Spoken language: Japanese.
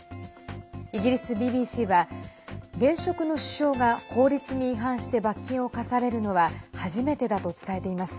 イギリスＢＢＣは現職の首相が法律に違反して罰金を科されるのは初めてだと伝えています。